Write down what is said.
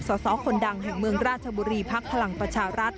สสคนดังแห่งเมืองราชบุรีภักดิ์พลังประชารัฐ